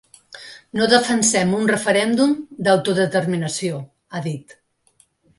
“No defensem un referèndum d’autodeterminació”, ha dit.